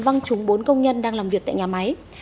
văng trúng bốn công nhân đang làm việc tại nhà máy